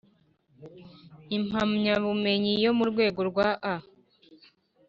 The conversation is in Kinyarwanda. impamyabumenyi yo mu rwego rwa A